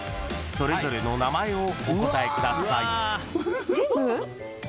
［それぞれの名前をお答えください］